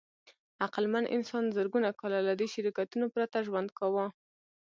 عقلمن انسان زرګونه کاله له دې شرکتونو پرته ژوند کاوه.